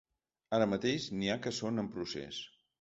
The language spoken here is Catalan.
Ara mateix n’hi ha que són en procés.